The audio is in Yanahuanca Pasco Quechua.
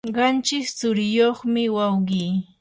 qanchis tsuriyuqmi wawqi.